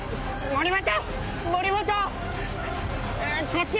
森本！